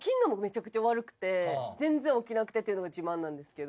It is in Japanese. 全然起きなくてっていうのが自慢なんですけど。